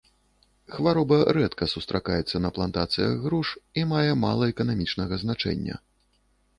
Хвароба рэдка сустракаецца на плантацыях груш і мае мала эканамічнага значэння.